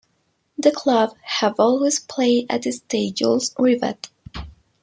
The club have always played at the Stade Jules Ribet.